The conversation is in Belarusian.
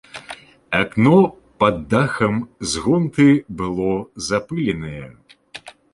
Акно пад дахам з гонты было запыленае.